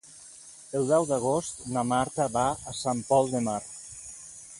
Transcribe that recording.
El deu d'agost na Marta va a Sant Pol de Mar.